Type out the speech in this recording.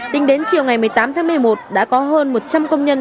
tính đến chiều ngày một mươi tám tháng một mươi một đã có hơn một trăm linh công nhân